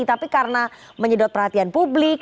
tapi karena menyedot perhatian publik